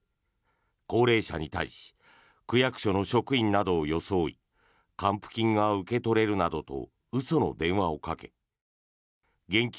高齢者に対し区役所の職員などを装い還付金が受け取れるなどと嘘の電話をかけ現金